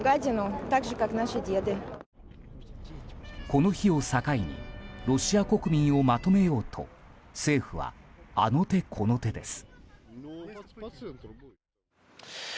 この日を境にロシア国民をまとめようと政府は、あの手この手です。